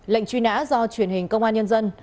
lệnh truy nã do truyền hình công an nhân dân